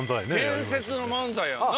伝説の漫才やんな。